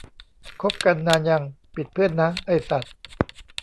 คบกันนานยัง ปิดเพื่อนนะ ไอ้สัด